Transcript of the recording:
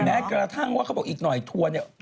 แม้กระทั่งว่าเขาบอกอีกหน่อยทัวร์เนี่ย